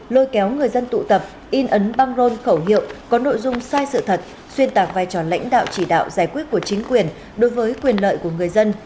lôi kéo người dân tụ tập in ấn băng rôn khẩu hiệu có nội dung sai sự thật xuyên tạc vai trò lãnh đạo chỉ đạo giải quyết của chính quyền đối với quyền lợi của người dân